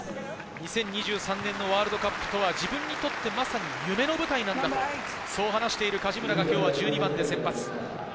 ２０２３年のワールドカップでは、自分にとってまさに夢の舞台なんだと、そう話している梶村が今日１２番で先発。